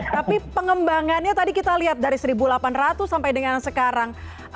tapi pengembangannya tadi kita lihat dari seribu delapan ratus sampai dengan sekarang